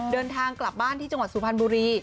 เดินทางกลับบ้านที่จังหวัดสุพรรณบุรี